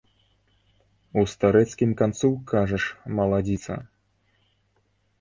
У старэцкім канцу, кажаш, маладзіца?